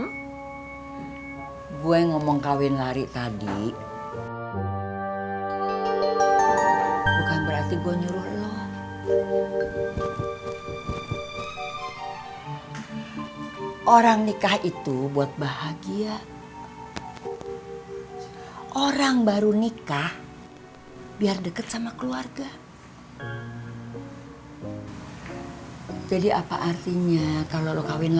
hai gue ngomong kawin lari tadi bukan berarti gue nyuruh lo orang nikah itu buat bahagia orang baru nikah biar deket sama keluarga jadi apa artinya kalau kau kawin lari